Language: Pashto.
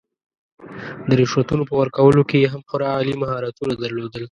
د رشوتونو په ورکولو کې یې هم خورا عالي مهارتونه درلودل.